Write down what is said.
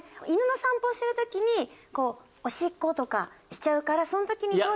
犬の散歩をしてる時にこうオシッコとかしちゃうからその時に。